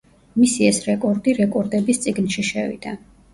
მისი ეს რეკორდი რეკორდების წიგნში შევიდა.